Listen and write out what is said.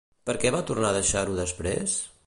Per què va tornar a deixar-ho després?